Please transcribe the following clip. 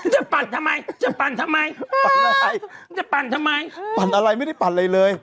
จะปั่นทำไมจะปั่นทำไมจะปั่นทำไมปั่นอะไรไม่ได้ปั่นอะไรเลย